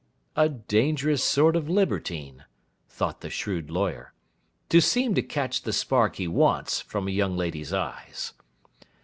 'A dangerous sort of libertine,' thought the shrewd lawyer, 'to seem to catch the spark he wants, from a young lady's eyes.